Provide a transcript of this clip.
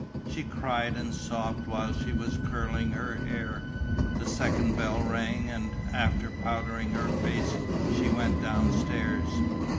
She cried and sobbed while she was curling her hair. The second bell rang; and, after powdering her face, she went downstairs.